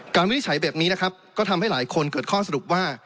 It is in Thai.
วินิจฉัยแบบนี้นะครับก็ทำให้หลายคนเกิดข้อสรุปว่า